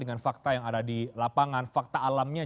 dengan fakta yang ada di lapangan fakta alamnya